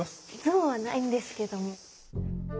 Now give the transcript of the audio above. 像はないんですけども。